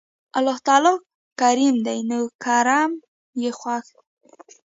الله تعالی کريم دی نو کرَم ئي خوښ دی